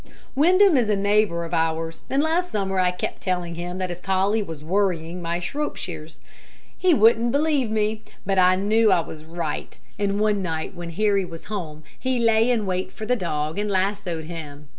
Windham is a neighbor of ours, and last summer I kept telling him that his collie was worrying my Shropshires. He wouldn't believe me, but I knew I was right, and one night when Harry was home, he lay in wait for the dog and lassoed him.